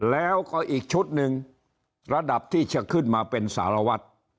แล้วก็อีกชุดหนึ่งระดับที่จะขึ้นมาเป็นสารวัตร